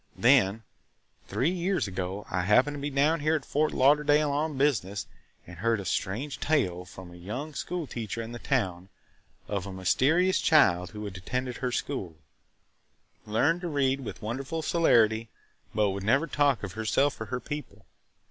"Then, three years ago, I happened to be down here at Fort Lauderdale on business and heard a strange tale from a young schoolteacher in the town of a mysterious child who had attended her school, learned to read with wonderful celerity, but would never talk of herself or her people.